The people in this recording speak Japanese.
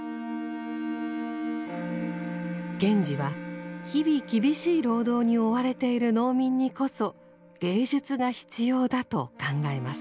賢治は日々厳しい労働に追われている農民にこそ芸術が必要だと考えます。